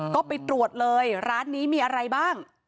ก็ไปตรวจเลยร้านนี้มีอะไรบ้าง